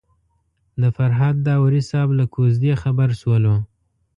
د فرهاد داوري صاحب له کوژدې خبر شولو.